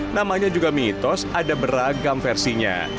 namanya juga mitos ada beragam versinya